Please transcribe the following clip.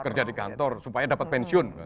kerja di kantor supaya dapat pensiun